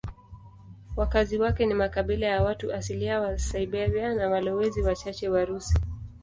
Wakazi wake ni makabila ya watu asilia wa Siberia na walowezi wachache Warusi.